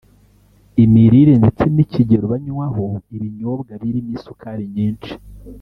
imirire ndetse n’ikigero banywaho ibinyobwa birimo isukari nyinshi